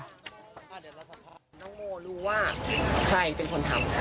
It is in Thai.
น้องโมรู้ว่าใครเป็นคนทำ